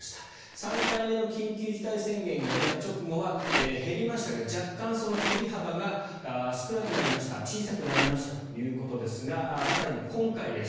３回目の緊急事態宣言が出た直後は減りましたが若干その減り幅が少なくなりました小さくなりましたということですが更に、今回です。